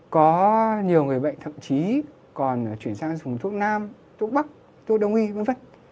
có nhiều người bệnh thậm chí còn chuyển sang dùng thuốc nam thuốc bắc thuốc đồng y v v